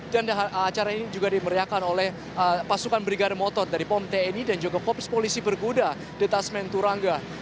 dan acara ini juga dimeriahkan oleh pasukan brigade motor dari pom tni dan juga pops polisi berguda detasmen turangga